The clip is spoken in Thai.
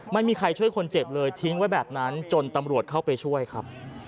ไม่มีใครช่วยคนเจ็บเลยทิ้งไว้แบบนั้นจนตำรวจเข้าไปช่วยครับ